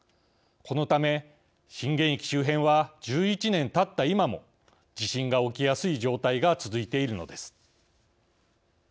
このため震源域周辺は１１年たった今も地震が起きやすい状態が続いているのです。